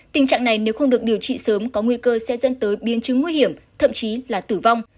tình trạng này nếu không được điều trị sớm có nguy cơ sẽ dẫn tới biến chứng nguy hiểm thậm chí là tử vong